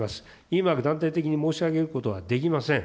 今、断定的に申し上げることはできません。